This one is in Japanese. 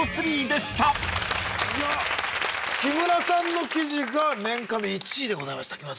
木村さんの記事が年間で１位でございました。